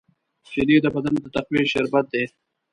شیدې د بدن د تقویې شربت دی